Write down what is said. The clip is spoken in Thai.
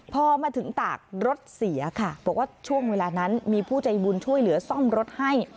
พอมาถึงตากรถเสียค่ะบอกว่าช่วงเวลานั้นมีผู้ใจบุญช่วยเหลือซ่อมรถให้